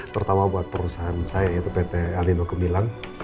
terutama buat perusahaan saya pt alinokumilang